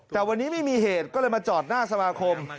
แต่วันนี้ไม่มีเหตุก็เลยมาจอดหน้าสมาคม